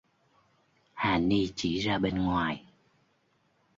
Hà ni chỉ ra bên ngoài